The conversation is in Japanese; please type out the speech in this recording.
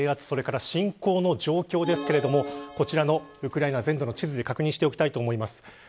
それから侵攻の状況ですがこちらのウクライナ全土の地図で確認しておきたいと思います。